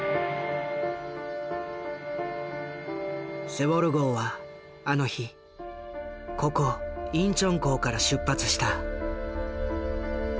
セウォル号はあの日ここインチョン港から出発した。